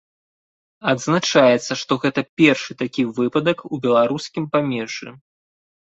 Адзначаецца, што гэта першы такі выпадак у беларускім памежжы.